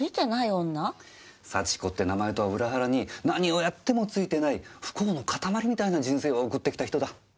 幸子って名前とは裏腹に何をやってもついてない不幸の塊みたいな人生を送ってきた人だ。